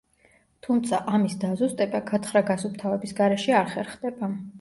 თუმცა, ამის დაზუსტება, გათხრა-გასუფთავების გარეშე არ ხერხდება.